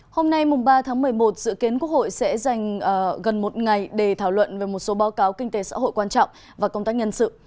hôm nay ba tháng một mươi một dự kiến quốc hội sẽ dành gần một ngày để thảo luận về một số báo cáo kinh tế xã hội quan trọng và công tác nhân sự